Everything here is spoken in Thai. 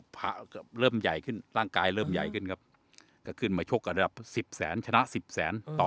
พระก็เริ่มใหญ่ขึ้นร่างกายเริ่มใหญ่ขึ้นครับก็ขึ้นมาชกกับระดับสิบแสนชนะสิบแสนต่อ